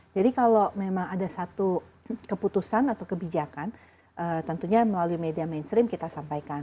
jadi kalau memang ada satu keputusan atau kebijakan tentunya melalui media mainstream kita sampaikan